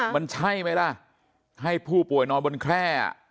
มันใช่ไหมล่ะให้ผู้ป่วยนอนบนแคร่